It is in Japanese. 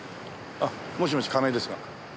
あっもしもし亀井ですが。